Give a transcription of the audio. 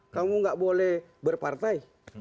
kamu tidak boleh berpartai